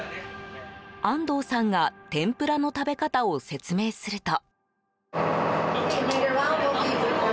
安藤さんが天ぷらの食べ方を説明すると。